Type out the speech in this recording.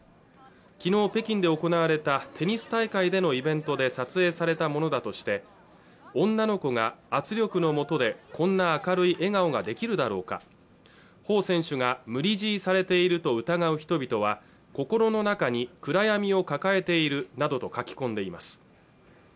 昨日北京で行われたテニス大会でのイベントで撮影されたものだとして女の子が圧力の下でこんな明るい笑顔ができるだろうか彭選手が無理強いされていると疑う人々は心の中に暗闇を抱えているなどと書き込んでいます